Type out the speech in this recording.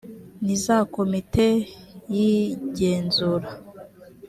n iza komite y igenzura